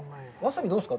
わさび、どうですか。